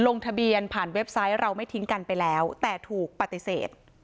ลงทะเบียนผ่านเว็บไซต์เราไม่ทิ้งกันไปแล้วแต่ถูกปฏิเสธ